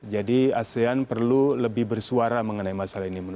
jadi asean perlu lebih bersuara mengenai masalah ini